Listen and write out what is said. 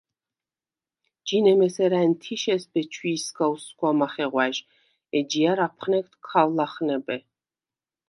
– ჯინემ ესერ ა̈ნთიშეს ბეჩვიჲსგა უსგვა მახეღვა̈ჟ, ეჯჲა̈რ აფხნეგდ ქავ ლახნებე.